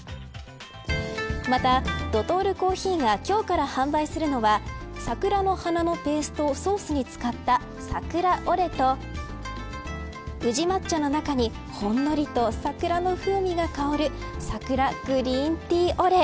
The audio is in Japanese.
また、ドトールコーヒーが今日から販売するのは桜の花のペーストをソースに使った桜オレと宇治抹茶の中にほんのりと桜の風味が香る桜グリーンティーオレ。